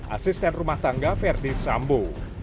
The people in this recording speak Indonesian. asisten rumah tangga verdi sambo